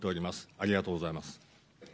ありがとうございます。